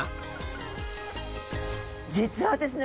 実はですね